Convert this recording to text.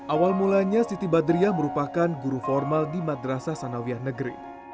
awal mulanya siti badriah merupakan guru formal di madrasah sanawiah negeri